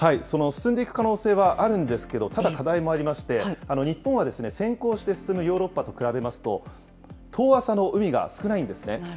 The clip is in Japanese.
その進んでいく可能性はあるんですけど、ただ課題もありまして、日本は先行して進むヨーロッパと比べますと、遠浅の海が少ないんですね。